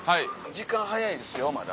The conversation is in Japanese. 時間早いですよまだ。